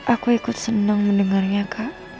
aku ikut senang mendengarnya kak